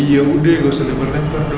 ya udah gak usah lempar lempar dong